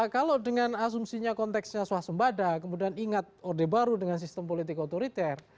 kalau dengan asumsinya konteksnya swasembada kemudian ingat orde baru dengan sistem politik otoriter